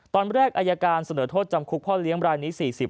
ตอนแรกอายการเสนอโทษจำคุกพ่อเลี้ยงรายนี้๔๐